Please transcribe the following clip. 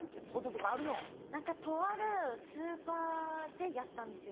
とあるスーパーでやったんですよ